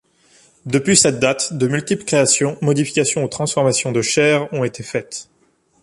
Depuis cette date, de multiples créations, modifications ou transformations de chaires ont été faites.